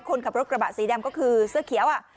คนขับรถกระบะสีดำก็คือเสื้อเขียว